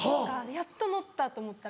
やっとのったと思ったら。